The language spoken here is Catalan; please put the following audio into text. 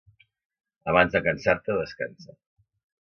Abans de cansar-te descansa.